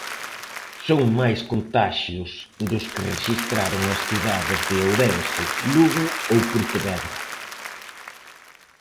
Son máis contaxios dos que rexistraron as cidades de Ourense, Lugo ou Pontevedra.